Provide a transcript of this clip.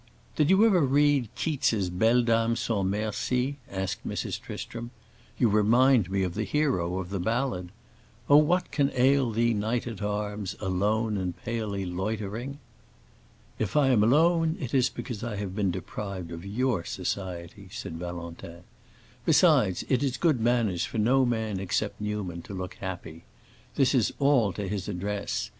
"Did you ever read Keats's Belle Dame sans Merci?" asked Mrs. Tristram. "You remind me of the hero of the ballad:— 'Oh, what can ail thee, knight at arms, Alone and palely loitering?'" "If I am alone, it is because I have been deprived of your society," said Valentin. "Besides it is good manners for no man except Newman to look happy. This is all to his address.